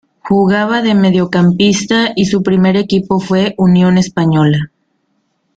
Jugaba de mediocampista y su primer equipo fue Unión Española.